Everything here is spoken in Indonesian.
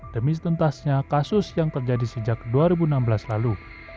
demi setuntasnya kasus yang terjadi sejak dua ribu enam belas lalu